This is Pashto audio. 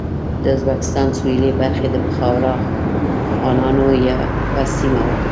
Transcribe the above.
د ازبکستان سوېلې برخې د بخارا خانانو یوه سیمه وه.